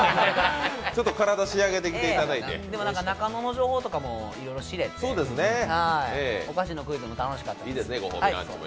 体、仕上げてきていただいて中野の情報とかもいろいろ知れてお菓子のクイズも楽しかったです。